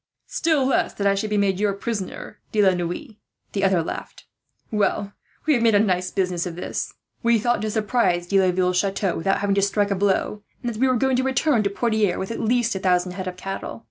"Still less that I should be your prisoner, De la Noue," the other laughed. "Well, we have made a nice business of this. We thought to surprise De Laville's chateau, without having to strike a blow; and that we were going to return to Poitiers with at least a thousand head of cattle.